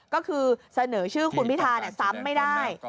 ก็คือเสนอชื่อคุณพิธาซ้ำไม่ได้